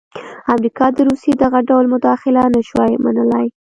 امریکا د روسیې دغه ډول مداخله نه شوای منلای.